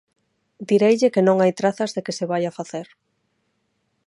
Direille que non hai trazas de que se vaia facer.